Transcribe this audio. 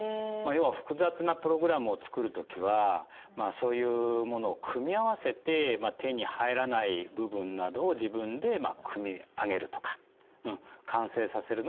要は複雑なプログラムを作る時はそういうものを組み合わせて手に入らない部分などを自分で組み上げるとか完成させるのが一般的なんですね。